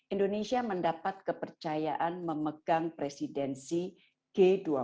indonesia mendapat kepercayaan memegang presidensi g dua puluh